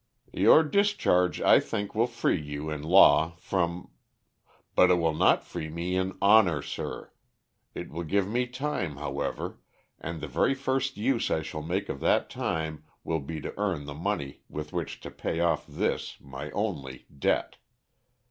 "Your discharge, I think, will free you, in law, from " "But it will not free me in honor sir. It will give me time, however; and the very first use I shall make of that time will be to earn the money with which to pay off this, my only debt.